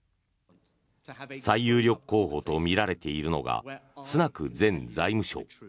最有力候補とみられているのがスナク前財務相。